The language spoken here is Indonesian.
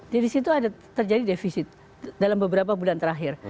di situ ada terjadi defisit dalam beberapa bulan terakhir